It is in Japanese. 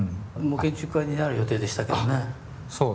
建築家になる予定でしたけどね。